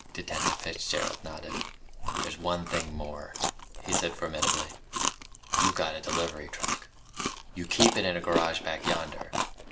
Detective Fitzgerald nodded. "There's one thing more," he said formidably. "You got a delivery truck. You keep it in a garage back yonder.